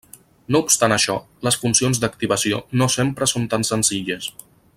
No obstant això, les funcions d'activació no sempre són tan senzilles.